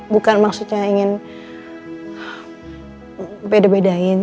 bukan maksudnya ingin beda bedain